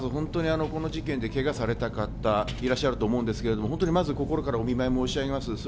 この事件でけがをされた方がいらっしゃると思うんですけど、まず心からお見舞い申し上げます。